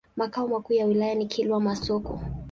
Makao makuu ya wilaya ni Kilwa Masoko.